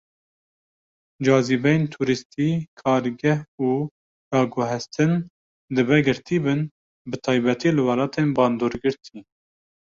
Cazîbeyên tûrîstî, kargeh, û raguhestin dibe girtî bin, bi taybetî li welatên bandorgirtî.